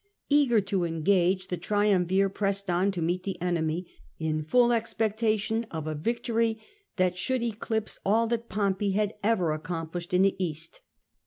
Eager to engage, the triumvir pressed on to meet the enemy, in full expectation of a victory that should eclipse all that Pompey had ever accomplished in the East.